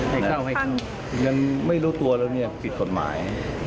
ให้เข้ายังไม่รู้ตัวแล้วผิดกฎหมาย